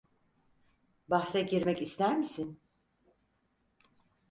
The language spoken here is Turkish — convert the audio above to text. Bahse girmek ister misin?